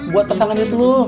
buat pesan anit lo